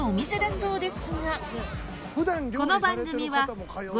そうです。